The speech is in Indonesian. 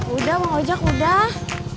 udah mau ojek udah